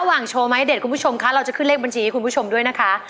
โชว์ไม้เด็ดคุณผู้ชมคะเราจะขึ้นเลขบัญชีให้คุณผู้ชมด้วยนะคะ